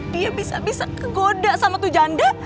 dia bisa bisa kegoda sama tujanda